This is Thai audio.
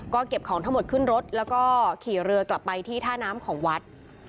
ก็เก็บของทั้งหมดขึ้นรถแล้วก็ขี่เรือกลับไปที่ท่าน้ำของวัด